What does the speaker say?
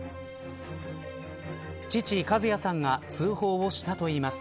父、一也さんが通報をしたといいます。